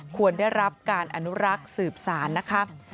ควรได้รับการอนุรักษ์สืบสารนะคะ